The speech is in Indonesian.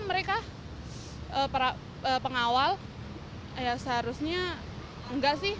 tapi kekal pengawal seharusnya nggak sih